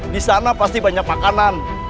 di sana pasti banyak makanan